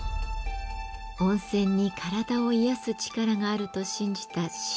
温泉に体を癒やす力があると信じた信玄。